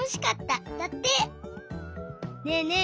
ねえねえ